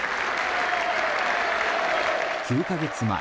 ９か月前